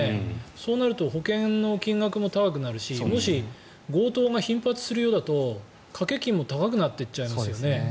そうなると保険の金額も高くなるしもし、強盗が頻発するようだと掛け金も高くなってっちゃいますよね。